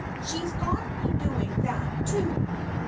she's got me doing that, too."